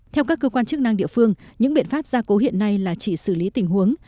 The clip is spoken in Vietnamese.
theo các cơ quan chức năng địa phương những biện pháp gia cố hiện nay là chỉ xử lý tình huống